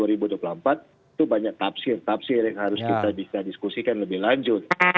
itu banyak tafsir tafsir yang harus kita bisa diskusikan lebih lanjut